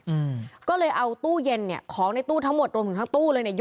อืมก็เลยเอาตู้เย็นเนี้ยของในตู้ทั้งหมดรวมถึงทั้งตู้เลยเนี้ย